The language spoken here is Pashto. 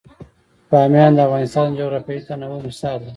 بامیان د افغانستان د جغرافیوي تنوع مثال دی.